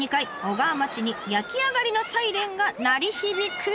小川町に焼き上がりのサイレンが鳴り響く。